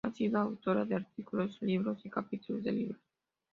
Ha sido autora de artículos, libros, y capítulos de libros.